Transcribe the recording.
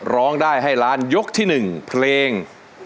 ร้องได้ให้ร้านยกที่หนึ่งเพลง